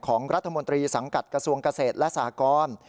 ของรัฐมนตรีสังกัดกระทรวงเกษตรและสหกร